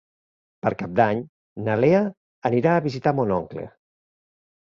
Per Cap d'Any na Lea anirà a visitar mon oncle.